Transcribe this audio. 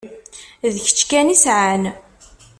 D kečč kan i sɛan.